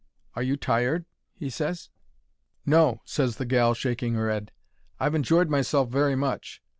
"Are you tired?" he ses. "No," ses the gal, shaking her 'ead, "I've enjoyed myself very much."